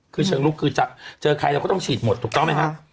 คือเชิงลุกคือเจอใครเราก็ต้องฉีดหมดถูกต้องไหมครับ